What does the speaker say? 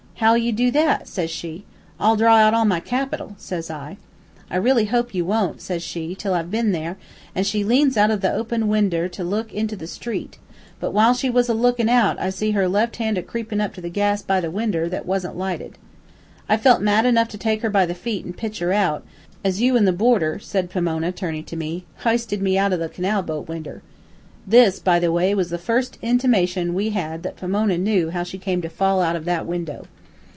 "'How'll you do that?' says she. "'I'll draw out all my capital,' says I. "'I hope really you wont,' says she, 'till I've been there,' an' she leans out of the open winder to look into the street, but while she was a lookin' out I see her left hand a creepin' up to the gas by the winder, that wasn't lighted. I felt mad enough to take her by the feet an' pitch her out, as you an the boarder," said Pomona, turning to me, "h'isted me out of the canal boat winder." This, by the way, was the first intimation we had had that Pomona knew how she came to fall out of that window.